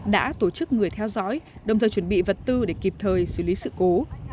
đã tổ chức người theo dõi đồng thời chuẩn bị vật tư để kịp thời xử lý sự cố